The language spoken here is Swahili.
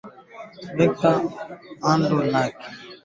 weka ganda la limao kenye mchanganyiko wa keki ya viazi